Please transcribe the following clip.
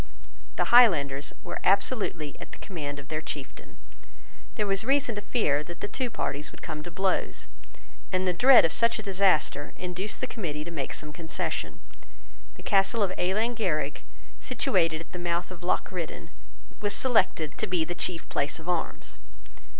The Highlanders were absolutely at the command of their chieftain. There was reason to fear that the two parties would come to blows; and the dread of such a disaster induced the Committee to make some concession. The castle of Ealan Ghierig, situated at the mouth of Loch Riddan, was selected to be the chief place of arms.